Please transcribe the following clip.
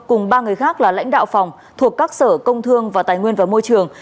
cùng ba người khác là lãnh đạo phòng thuộc các sở công thương và tài nguyên và môi trường